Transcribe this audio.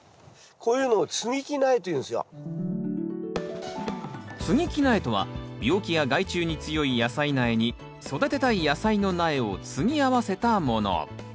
こういうのをつぎ木苗とは病気や害虫に強い野菜苗に育てたい野菜の苗をつぎ合わせたもの。